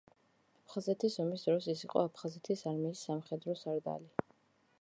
აფხაზეთის ომის დროს ის იყო აფხაზეთის არმიის სამხედრო სარდალი.